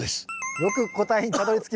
よく答えにたどりつきました。